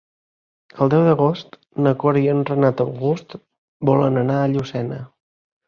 El deu d'agost na Cora i en Renat August volen anar a Llucena.